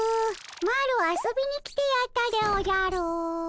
マロ遊びに来てやったでおじゃる。